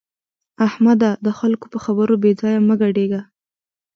احمده! د خلګو په خبرو بې ځایه مه ګډېږه.